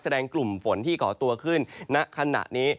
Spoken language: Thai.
กลุ่มฝนที่ก่อตัวขึ้นณขณะนี้